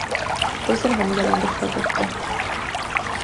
Por esto la familia Danvers la adoptó.